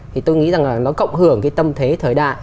thì tôi nghĩ rằng là nó cộng hưởng cái tâm thế thời đại